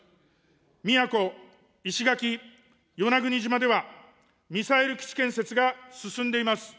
宮古、石垣、与那国島では、ミサイル基地建設が進んでいます。